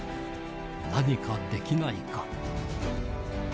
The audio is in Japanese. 何かできないか。